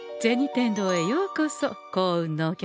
天堂へようこそ幸運のお客様。